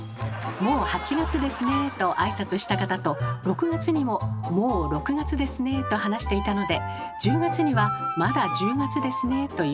「もう８月ですね」と挨拶した方と６月にも「もう６月ですね」と話していたので１０月には「まだ１０月ですね」と言うことにします。